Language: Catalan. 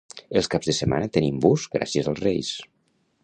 Els caps de setmana tenim bus gràcies als reis.